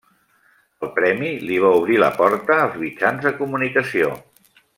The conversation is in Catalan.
El premi li va obrir la porta als mitjans de comunicació.